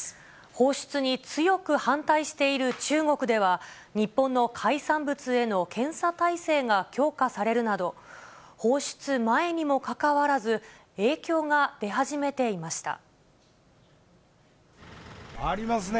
放出に強く反対している中国では、日本の海産物への検査態勢が強化されるなど、放出前にもかかわらありますね。